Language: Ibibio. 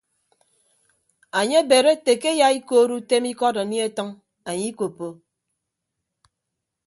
Enye ebed ete ke eyaikood utem ikọd anie atʌñ anye ikoppo.